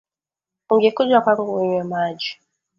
Ungekuja kwangu unywe maji.